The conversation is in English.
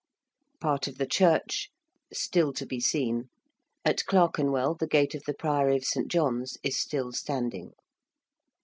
~part of the church ... still to be seen~: at Clerkenwell the gate of the priory of St. John's is still standing.